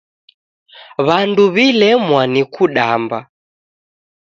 W'andu w'ilemwa ni kudamba.